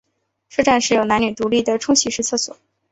车站设有男女独立的冲洗式厕所。